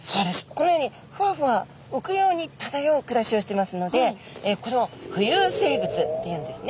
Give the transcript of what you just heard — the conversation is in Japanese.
このようにふわふわうくように漂う暮らしをしていますのでこれを浮遊生物っていうんですね。